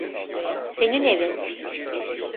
Senin evin.